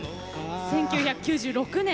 １９９６年